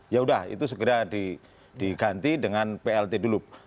yaudah itu segera diganti dengan plt dulu